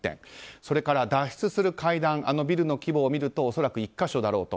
それから、脱出する階段ビルの規模を見ると恐らく１か所だろうと。